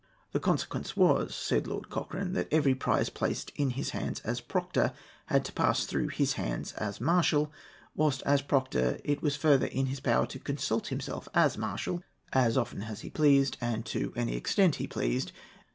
"The consequence was," said Lord Cochrane, "that every prize placed in his hands as proctor had to pass through his hands as marshal; whilst as proctor it was further in his power to consult himself as marshal as often as he pleased, and to any extent he pleased.